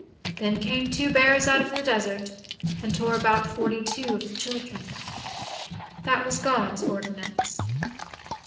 Then came two bears out of the desert and tore about forty two of the children. That was God's ordinance.